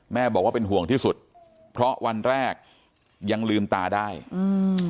แม่บอกว่าเป็นห่วงที่สุดเพราะวันแรกยังลืมตาได้อืม